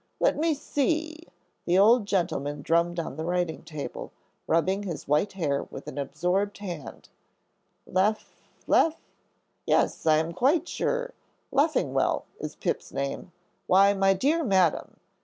"Let me see," the old gentleman drummed on the writing table, rubbing his white hair with an absorbed hand, "Lef Lef? Yes, I am quite sure, Leffingwell is Pip's name. Why, my dear Madam!"